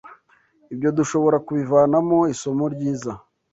Ibyo dushobora kubivanamo isomo ryiza